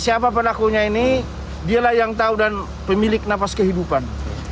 siapa pelakunya ini dialah yang tahu dan pemilik nafas kehidupan